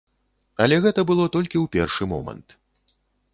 Але гэта было толькі ў першы момант.